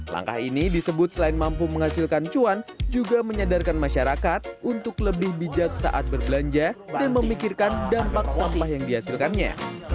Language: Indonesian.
langkah ini disebut selain mampu menghasilkan cuan juga menyadarkan masyarakat untuk lebih bijak saat berbelanja dan memikirkan dampak sampah yang dihasilkannya